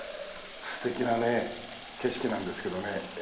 素敵なね景色なんですけどね。